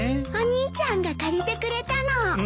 お兄ちゃんが借りてくれたの。